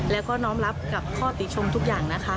และก็น้องลับข้อติชมทุกอย่างนะคะ